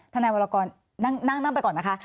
ทนายวรกรนั่งไปก่อนนะคะ